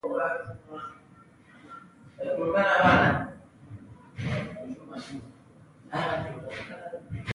په عاجزي باندې بنده کوم څه له لاسه نه ورکوي.